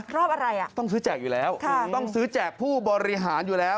รอบอะไรอ่ะต้องซื้อแจกอยู่แล้วต้องซื้อแจกผู้บริหารอยู่แล้ว